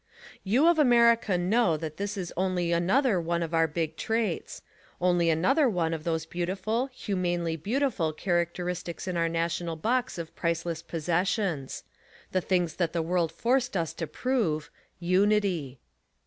You of America know that this is only another one of our big traits ; only another one of those beautiful, humanely beautiful characteristics in our national box of priceless possessions: The things that the world forced us to prove — Unity.